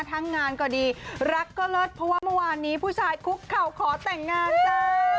งานก็ดีรักก็เลิศเพราะว่าเมื่อวานนี้ผู้ชายคุกเข่าขอแต่งงานจ้า